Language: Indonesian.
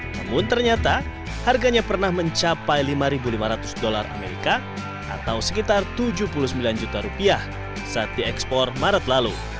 namun ternyata harganya pernah mencapai lima lima ratus dolar amerika atau sekitar tujuh puluh sembilan juta rupiah saat diekspor maret lalu